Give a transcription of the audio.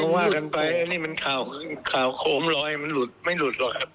ว่ากันไปอันนี้มันข่าวโคมลอยมันหลุดไม่หลุดหรอกครับ